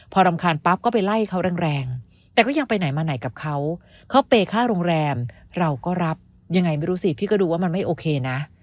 พอรำคาญปั๊บก็ไปไล่เขาแรงแต่ก็ยังไปไหนมาไหนกับเขาเขาเปย์ค่าโรงแรมเราก็รับยังไงไม่รู้สิพี่ก็ดูว่ามันไม่โอเคนะ